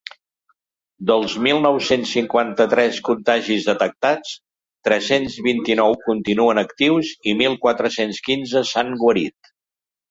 Dels mil nou-cents cinquanta-tres contagis detectats, tres-cents vint-i-nou continuen actius i mil quatre-cents quinze s’han guarit.